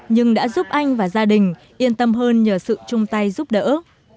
nhưng đã giúp anh và gia đình yên tâm hơn nhờ sự chung tay giúp đỡ